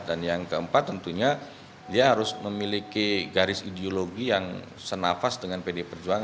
dan yang keempat tentunya dia harus memiliki garis ideologi yang senafas dengan pdip